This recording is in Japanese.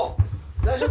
大丈夫？